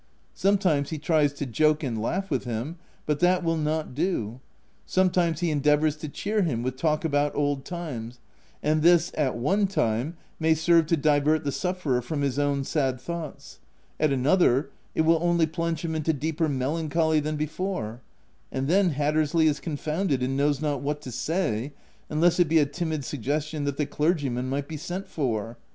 Sometimes he tries to joke and laugh with him, but that will not do : some times he endeavours to cheer him with talk about old times ; and this, at one time, may serve to divert the sufferer from his own sad thoughts ; at another, it will only plunge him into deeper melancholy than before ; and then Hattersley is confounded, and knows not what to say, — unless it be a timid suggestion that the clergyman might be sent for.